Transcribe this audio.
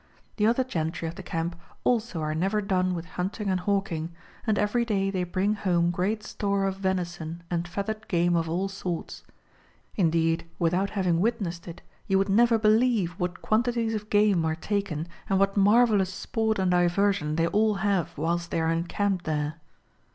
The other gentry of the camp also are never done with hunting and hawking, and every day they bring home great store of venison and feathered game of all sorts. Indeed, without having witnessed it, you would never believe what quantities of game are taken, and what marvellous sport and diversion they all have whilst they are in camp there.